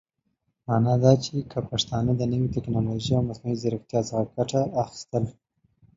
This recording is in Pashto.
معنا دا چې که پښتانهٔ د نوې ټيکنالوژۍ او مصنوعي ځيرکتيا څخه ګټه اخيستل